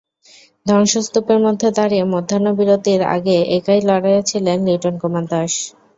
ধ্বংসস্তূপের মধ্যে দাঁড়িয়ে মধ্যাহ্ন বিরতির আগে একাই লড়েছিলেন লিটন কুমার দাস।